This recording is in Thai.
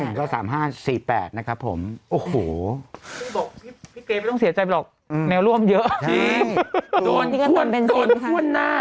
พี่บอกพี่เกดไม่ต้องเสียใจหรอกแนวร่วมเยอะใช่โดนถ้วนหน้า